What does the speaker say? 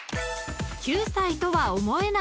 ［９歳とは思えない打球］